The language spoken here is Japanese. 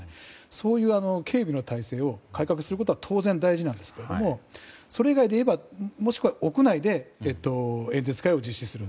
そういう警備の体制を改革することは当然大事ですがそれ以外でいえばもしくは屋内で演説会を実施する。